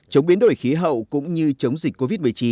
chống biến đổi khí hậu cũng như chống dịch covid một mươi chín